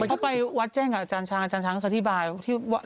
ถ้าไปวัดแจ้งกับอาจารย์ช้างอาจารย์ช้างเขาอธิบายที่ว่า